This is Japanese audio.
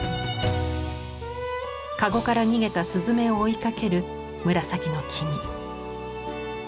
かごから逃げたスズメを追いかける紫の君。